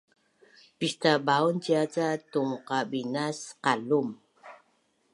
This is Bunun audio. Pistabaun cia ca tungqabinas qalum